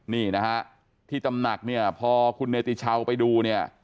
นี่นะฮะที่ตำหนักเนี่ยพอคุณเนติชาวไปดูเนี่ย